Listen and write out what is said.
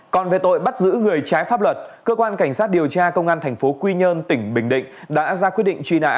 còn về tội bắt giữ người trái pháp luật cơ quan cảnh sát điều tra công an tp quy nhơn tỉnh bình định đã ra quyết định truy nã